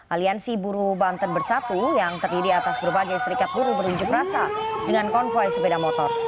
aliansi buruh banten bersatu yang terdiri atas berbagai serikat buruh berunjuk rasa dengan konvoy sepeda motor